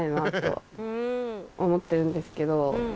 思ってるんですけど。